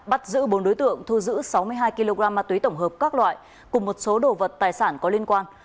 bắt giữ bốn đối tượng thu giữ sáu mươi hai kg ma túy tổng hợp các loại cùng một số đồ vật tài sản có liên quan